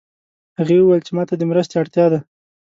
هغې وویل چې ما ته د مرستې اړتیا ده